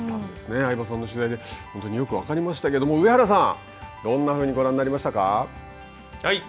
相葉さんの取材でよく分かりましたけど上原さん、どんなふうにご覧になりましたか。